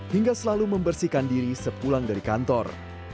hingga selalu membersihkan diri sepulang dari kantor